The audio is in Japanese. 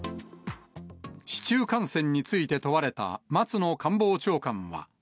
市中感染について問われた、松野官房長官は。